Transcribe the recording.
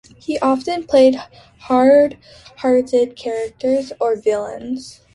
He often played hard-hearted characters or villains.